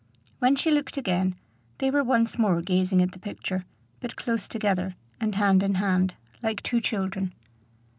When she looked again, they were once more gazing at the picture, but close together, and hand in hand, like two children.